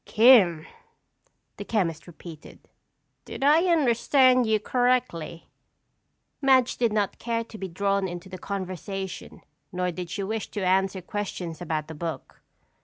"'Kim,'" the chemist repeated. "Did I understand you correctly?" Madge did not care to be drawn into the conversation nor did she wish to answer questions about the book.